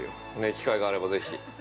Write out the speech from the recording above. ◆機会があれば、ぜひ。